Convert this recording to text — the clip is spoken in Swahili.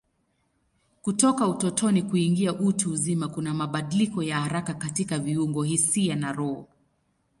Kutoka utotoni kuingia utu uzima kuna mabadiliko ya haraka katika viungo, hisia na roho.